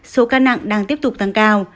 số ca nặng đang tiếp tục tăng cao